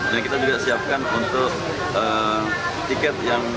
dan kita juga siapkan untuk tiket yang